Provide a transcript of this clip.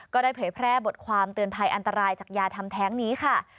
เผยแพร่บทความเตือนภัยอันตรายจากยาทำแท้งนี้ค่ะ